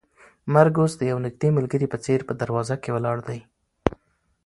مرګ اوس د یو نږدې ملګري په څېر په دروازه کې ولاړ دی.